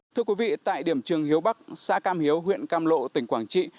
thưa quý vị tại điểm trường hiếu bắc xã cam hiếu huyện cam lộ tỉnh quảng trị